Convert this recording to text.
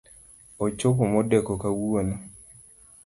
Ochopo modeko kawuono